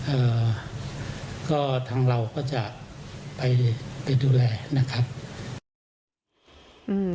เอ่อก็ทางเราก็จะไปไปดูแลนะครับอืม